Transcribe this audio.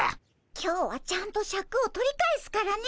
今日はちゃんとシャクを取り返すからね。